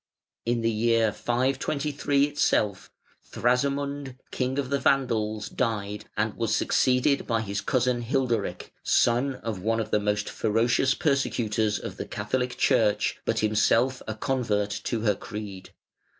In the year 523 itself, Thrasamund, king of the Vandals, died and was succeeded by his cousin Hilderic, son of one of the most ferocious persecutors of the Catholic Church, but himself a convert to her creed.